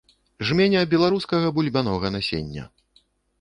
Жменя беларускага бульбянога насення!